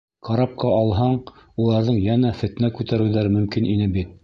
Карапҡа алһаң, уларҙың йәнә фетнә күтәреүҙәре мөмкин ине бит.